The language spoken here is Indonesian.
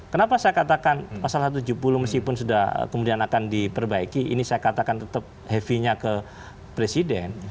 kenapa saya katakan pasal satu ratus tujuh puluh meskipun sudah kemudian akan diperbaiki ini saya katakan tetap heavy nya ke presiden